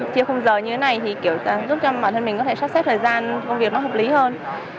chia khung giờ như thế này giúp cho bản thân mình có thể sắp xếp thời gian công việc nó hợp lý hơn